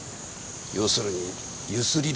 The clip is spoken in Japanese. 要するにゆすりだな。